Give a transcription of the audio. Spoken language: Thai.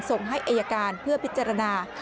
ส่งให้อายการเพื่อพิจารณา